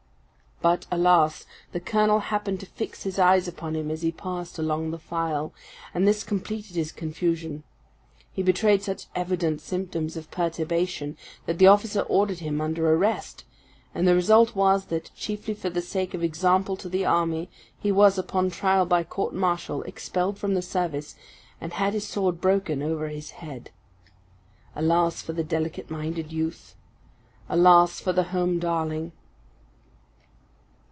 But, alas! the colonel happened to fix his eyes upon him as he passed along the file; and this completed his confusion. He betrayed such evident symptoms of perturbation, that that officer ordered him under arrest; and the result was, that, chiefly for the sake of example to the army, he was, upon trial by court martial, expelled from the service, and had his sword broken over his head. Alas for the delicate minded youth! Alas for the home darling!